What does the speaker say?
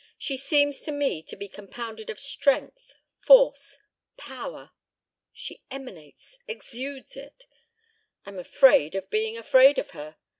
"She seems to me to be compounded of strength, force, power. She emanates, exudes it. I'm afraid of being afraid of her.